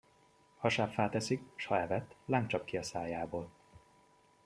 Hasábfát eszik, s ha evett, láng csap ki a szájából.